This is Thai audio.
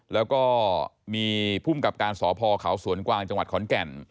แล้วก็มีภูมิกับการสพเขาสวนกวางจังหวัดขอนแก่น